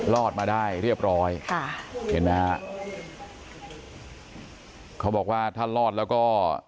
รอดมาได้เรียบร้อยค่ะเห็นไหมฮะเขาบอกว่าถ้ารอดแล้วก็